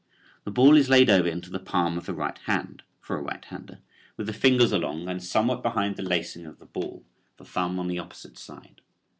The ball is laid over into the palm of the right hand (for a right hander) with the fingers along and somewhat behind the lacing of the ball, the thumb on the opposite side.